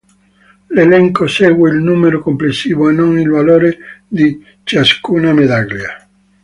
L'elenco segue il numero complessivo e non il valore di ciascuna medaglia.